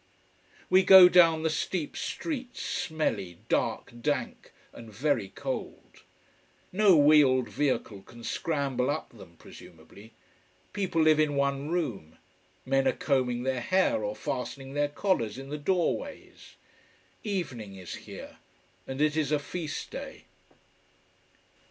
We go down the steep streets, smelly, dark, dank, and very cold. No wheeled vehicle can scramble up them, presumably. People live in one room. Men are combing their hair or fastening their collars in the doorways. Evening is here, and it is a feast day.